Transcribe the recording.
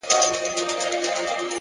هوډ د ستونزو تر شا فرصت ویني!